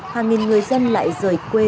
hàng nghìn người dân lại rời quê